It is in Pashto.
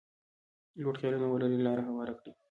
لوړ خیالونه ولري لاره هواره کړي.